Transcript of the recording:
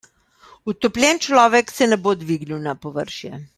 Utopljen človek se ne bo dvignil na površje.